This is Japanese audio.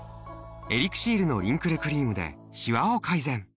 エリクシールのリンクルクリームでしわを改善！